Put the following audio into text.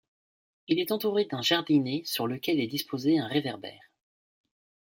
Il est entouré d'un jardinet sur lequel est disposé un réverbère.